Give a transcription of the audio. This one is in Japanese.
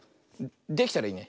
できたらいいね。